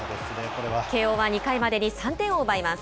慶応は２回までに３点を奪います。